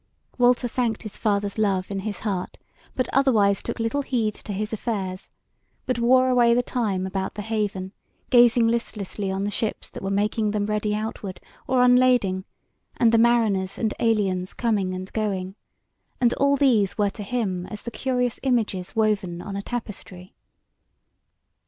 Walter thanked his father's love in his heart, but otherwise took little heed to his affairs, but wore away the time about the haven, gazing listlessly on the ships that were making them ready outward, or unlading, and the mariners and aliens coming and going: and all these were to him as the curious images woven on a tapestry.